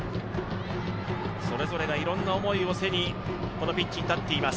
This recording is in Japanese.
それぞれがいろんな思いを背にこのピッチに立っています。